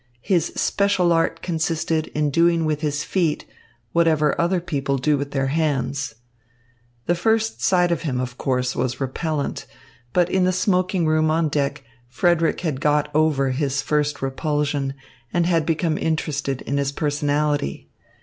His special art consisted in doing with his feet whatever other people do with their hands. The first sight of him, of course, was repellent; but in the smoking room on deck Frederick had got over his first repulsion and had become interested in his personality.